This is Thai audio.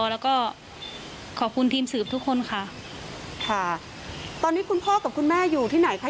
แล้วก็ขอบคุณทีมสืบทุกคนค่ะค่ะตอนนี้คุณพ่อกับคุณแม่อยู่ที่ไหนคะ